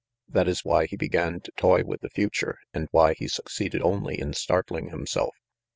That is why he began to toy with the future, and why he succeeded only in startling himself.